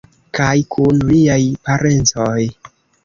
Kaj kun liaj parencoj.